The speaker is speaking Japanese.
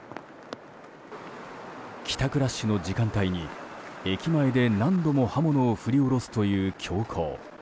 帰宅ラッシュの時間帯に駅前で何度も刃物を振り下ろすという凶行。